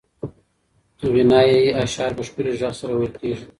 غنایي اشعار په ښکلي غږ سره ویل کېږي.